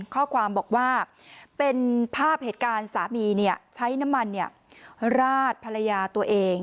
ข้อความบอกว่าเป็นภาพเหตุการณ์สามีใช้น้ำมันราดภรรยาตัวเอง